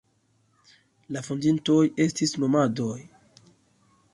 La fondintoj estis nomadoj.